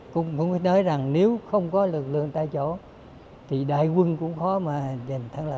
cũng mới nói rằng nếu không có lực lượng tại chỗ thì đại quân cũng khó mà giành thắng lợi